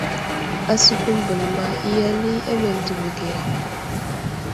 Asəkum bəlma i ali a meltivi age.